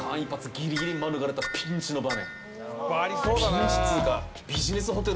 ギリギリ免れたピンチの場面。